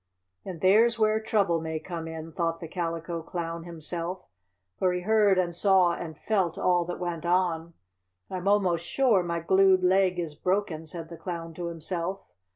"And there's where trouble may come in," thought the Calico Clown himself, for he heard and saw and felt all that went on. "I'm almost sure my glued leg is broken," said the Clown to himself.